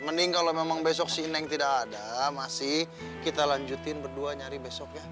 mending kalau memang besok si neng tidak ada masih kita lanjutin berdua nyari besok ya